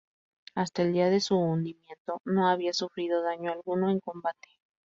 Hasta el día de su hundimiento, no había sufrido daño alguno en combate.